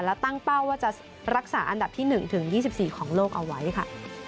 และตั้งเป้าว่าจะรักษาอันดับที่๑ถึง๒๔ของโลกเอาไว้ค่ะ